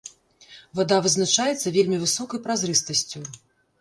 Вада вызначаецца вельмі высокай празрыстасцю.